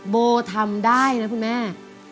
โบทำได้นะคุณแม่